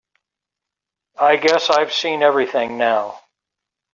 I guess I've seen everything now.